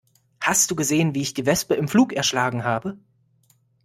Hast du gesehen, wie ich die Wespe im Flug erschlagen habe?